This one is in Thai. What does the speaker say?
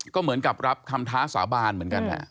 ก็เหมือนกับรับคำท้าสาบานเหมือนกัน